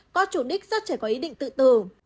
có chủ đích rất trẻ có ý định tự tử